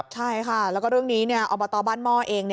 ใช่ค่ะแล้วก็เรื่องนี้อบตบ้านหม้อเอง